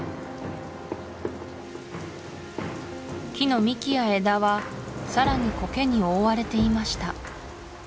木の幹や枝はさらにコケに覆われていました